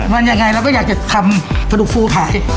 มันยังไงเราก็อยากจะทำกระดูกฟูขาย